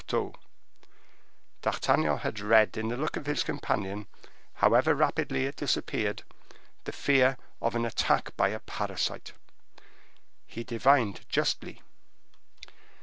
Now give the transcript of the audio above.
D'Artagnan had read in the look of his companion, however rapidly it disappeared, the fear of an attack by a parasite: he divined justly.